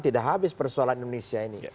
tidak habis persoalan indonesia ini